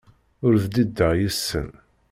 Ur bdideɣ yid-sen.